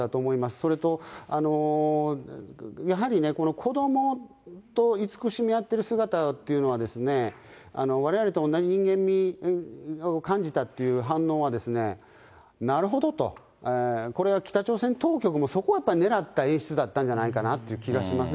それと、やはりね、子どもといつくしみ合ってる姿というのは、われわれと同じ人間味を感じたという反応はなるほどと、これは北朝鮮当局もそこはやっぱねらった演出だったんじゃないかなという気がしますね。